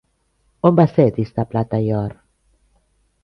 On va ser disc de plata i or?